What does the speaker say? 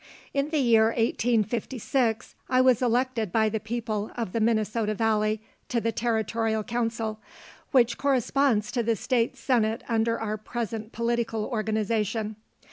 In the year 1856 I was elected by the people of the Minnesota valley to the territorial council, which corresponds to the state senate under our present political organization.